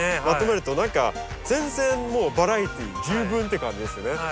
まとめると何か全然もうバラエティー十分って感じですね。